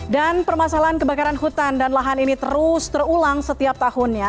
permasalahan kebakaran hutan dan lahan ini terus terulang setiap tahunnya